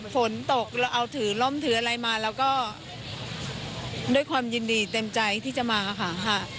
ฝนตกเราเอาถือล่มถืออะไรมาแล้วก็ด้วยความยินดีเต็มใจที่จะมาค่ะ